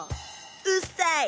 うっさい！